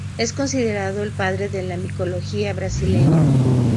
Es considerado el "padre de la micología brasileña".